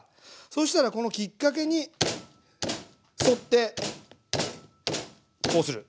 そしたらこのきっかけに沿ってこうする。